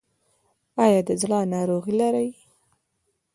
ایا د زړه ناروغي لرئ؟